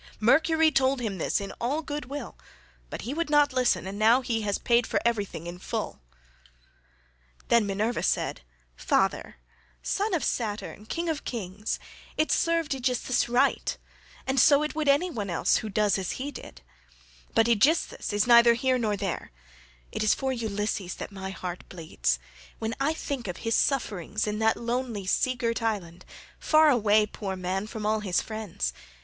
Mercury told him this in all good will but he would not listen, and now he has paid for everything in full." Then Minerva said, "Father, son of Saturn, King of kings, it served Aegisthus right, and so it would any one else who does as he did; but Aegisthus is neither here nor there; it is for Ulysses that my heart bleeds, when I think of his sufferings in that lonely sea girt island, far away, poor man, from all his friends.